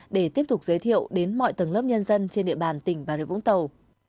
để tiếp tục giới thiệu đến mọi tầng lớp nhân dân trên địa bàn tỉnh bà rịa vũng tàu